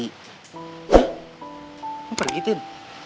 kamu mau pergi cintin